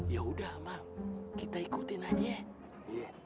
yaudah emang kita ikutin aja ya